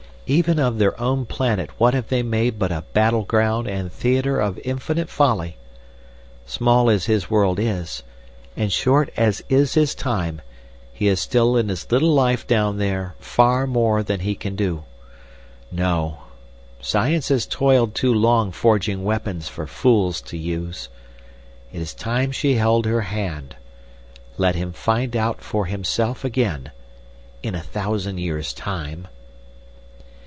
Even of their own planet what have they made but a battle ground and theatre of infinite folly? Small as his world is, and short as his time, he has still in his little life down there far more than he can do. No! Science has toiled too long forging weapons for fools to use. It is time she held her hand. Let him find it out for himself again—in a thousand years' time."